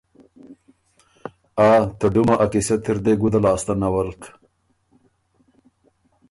آ ته ډُمه ا قیصۀ تِر دې ګُده لاسته نَولک؟